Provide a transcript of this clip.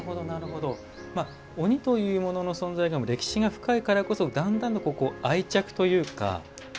鬼というものの存在が歴史が深いからこそだんだんと、愛着というか。